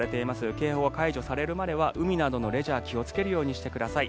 警報が解除されるまでは海などのレジャー気をつけるようにしてください。